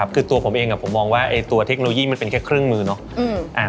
คือตัวผมเองผมมองว่าตัวเทคโนโลยีมันเป็นแค่เครื่องมือเนาะ